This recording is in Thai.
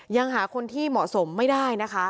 ยังหาคนที่เหมาะสมไม่ได้นะคะ